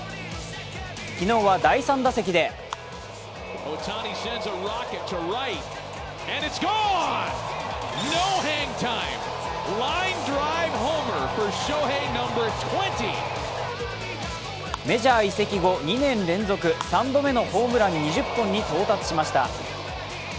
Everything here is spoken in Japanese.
昨日は第３打席でメジャー移籍後２年連続３度目のホームラン２０本に到達しました。